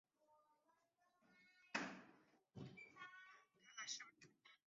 本次会议也是美国总统第一次在战争期间离开了美国本土。